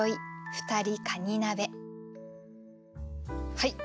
はい。